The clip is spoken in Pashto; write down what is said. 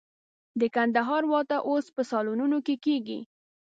د کندهار واده اوس په سالونونو کې کېږي.